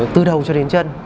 từ đầu cho đến chân